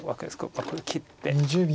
これ切って。